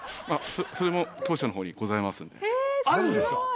それも当社の方にございますんであるんですか？